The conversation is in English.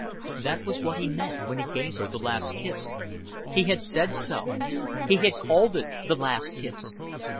That was what he meant when he gave her the last kiss. He had said so. He had called it the last kiss.